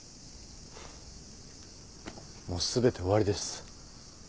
もう全て終わりです。